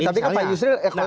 tapi pak yusril